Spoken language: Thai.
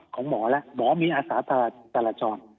ของหมอแล้วหมอมีอาสาธาจราจร